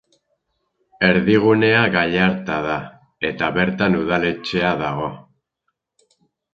Erdigunea Gallarta da eta bertan udaletxea dago.